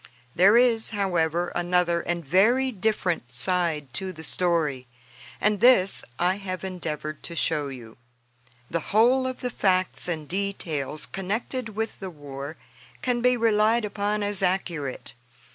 There is, however, another and very different side to the story, and this I have endeavored to show you. The whole of the facts and details connected with the war can be relied upon as accurate.